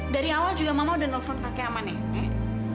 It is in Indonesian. dari awal juga mama udah nelfon kakek sama nih